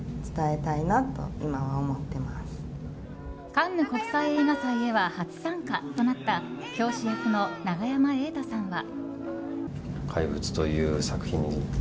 カンヌ国際映画祭へは初参加となった教師役の永山瑛太さんは。